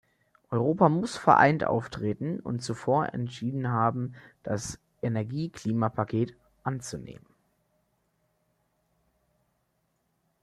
Europa muss vereint auftreten und zuvor entschieden haben, das Energie-Klima-Paket anzunehmen.